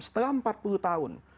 setelah empat puluh tahun